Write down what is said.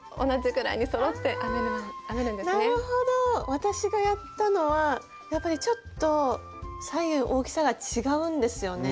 私がやったのはやっぱりちょっと左右大きさが違うんですよね。